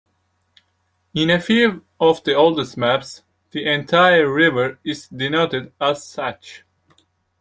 In a few of the oldest maps, the entire river is denoted as such.